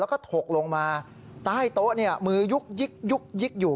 แล้วก็ถกลงมาใต้โต๊ะมือยุกอยู่